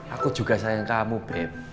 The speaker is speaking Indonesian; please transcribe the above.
aku juga sayang kamu beb